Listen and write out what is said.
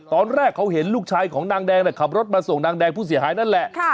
ตอนแรกเขาเห็นลูกชายของนางแดงขับรถมาส่งนางแดงผู้เสียหายนั่นแหละ